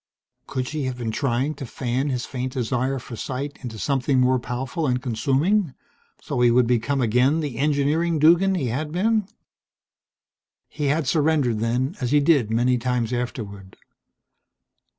Could she have been trying to fan his faint desire for sight into something more powerful and consuming so he would become again the engineering Duggan he had been? He had surrendered then, as he did many times afterward.